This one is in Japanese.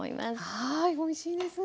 はいおいしいです。